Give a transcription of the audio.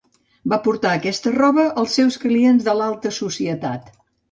Va portar aquesta roba als seus clients de l'alta societat.